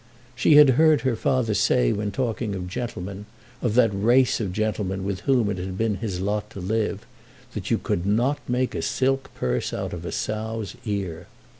She had heard her father say when talking of gentlemen, of that race of gentlemen with whom it had been his lot to live, that you could not make a silk purse out of a sow's ear.